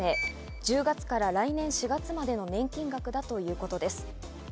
１０月から来年４月までの年金額だということです。